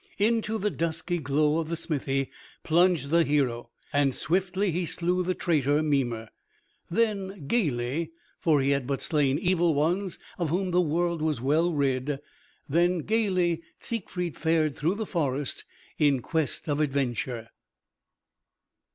Into the dusky glow of the smithy plunged the hero, and swiftly he slew the traitor Mimer. Then gaily, for he had but slain evil ones of whom the world was well rid, then gaily Siegfried fared through the forest in quest of adventure.